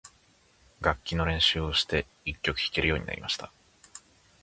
楽器の練習をして、一曲弾けるようになりました。